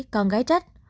con gái trách